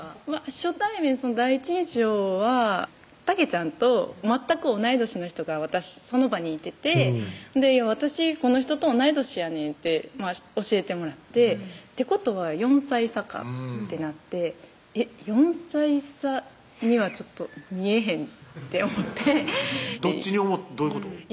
初対面第一印象はたけちゃんと全く同い年の人がその場にいてて「私この人と同い年やねん」って教えてもらってってことは４歳差かってなって４歳差にはちょっと見えへんって思ってどっちにどういうこと？